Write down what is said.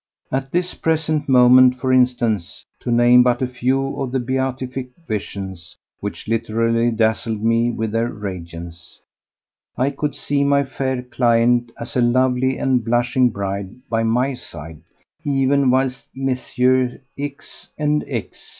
At this present moment, for instance—to name but a few of the beatific visions which literally dazzled me with their radiance—I could see my fair client as a lovely and blushing bride by my side, even whilst Messieurs X. and X.